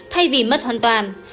thay vì mất hoàn toàn